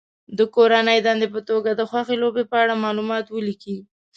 د کورنۍ دندې په توګه د خوښې لوبې په اړه معلومات ولیکي.